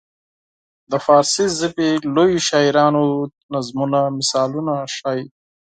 د فارسي ژبې لویو شاعرانو د نظمونو مثالونه ښيي.